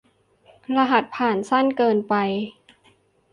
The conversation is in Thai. รหัสผ่านสั้นเกินไป